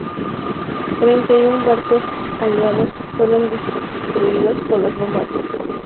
Treinta y un barcos aliados fueron destruidos por los bombardeos.